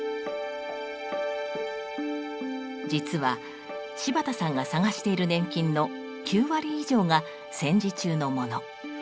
実は柴田さんが探している年金の９割以上が戦時中のもの。